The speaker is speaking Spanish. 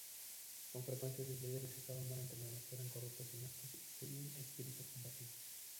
Con frecuencia sus líderes estaban mal entrenados, eran corruptos, ineptos y sin espíritu combativo.